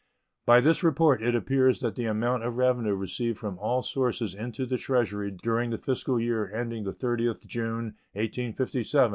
By this report it appears that the amount of revenue received from all sources into the Treasury during the fiscal year ending the 30th June, 1857, was $68,631,513.